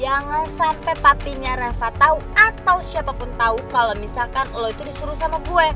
jangan sampai patinya rafa tahu atau siapapun tahu kalau misalkan lo itu disuruh sama gue